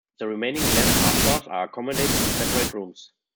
The remaining eleven Azhwars are accommodated in separate rooms.